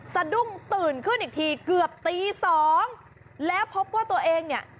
สะดุ้งตื่นขึ้นอีกทีเกือบตีสองแล้วพบว่าตัวเองเนี่ย